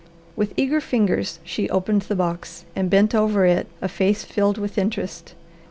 With eager fingers she opened the box, and bent over it a face filled with interest.